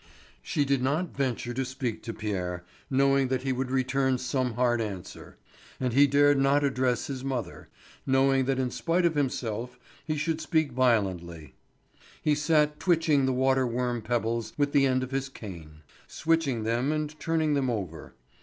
She did not venture to speak to Pierre, knowing that he would return some hard answer; and he dared not address his mother, knowing that in spite of himself he should speak violently. He sat twitching the water worn pebbles with the end of his cane, switching them and turning them over.